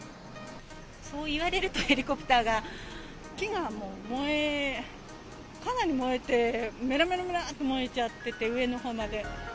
そういわれると、ヘリコプタ木が燃えて、かなり燃えて、めらめらめらって燃えちゃってて、上のほうまで。